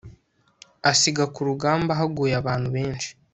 asiga ku rugamba haguye abantu benshi